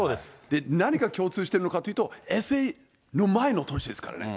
何が共通しているのかというと、ＦＡの前の年ですからね。